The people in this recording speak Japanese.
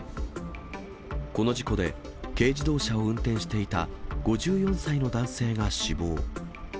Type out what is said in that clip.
この事故で、軽自動車を運転していた５４歳の男性が死亡。